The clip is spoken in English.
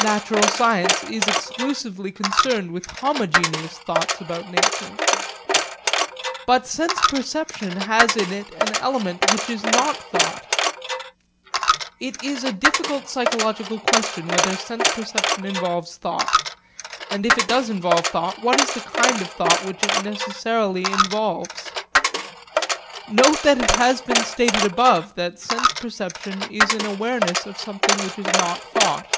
Natural science is exclusively concerned with homogeneous thoughts about nature. But sense perception has in it an element which is not thought. It is a difficult psychological question whether sense perception involves thought; and if it does involve thought, what is the kind of thought which it necessarily involves. Note that it has been stated above that sense perception is an awareness of something which is not thought.